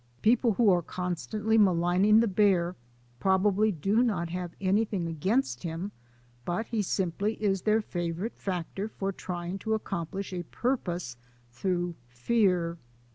People who are constantly maligning the bear probably do not have anything against him but he simply is their favourite factor for trying to accomplish a purpose through fear.